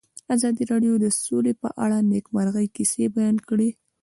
ازادي راډیو د سوله په اړه د نېکمرغۍ کیسې بیان کړې.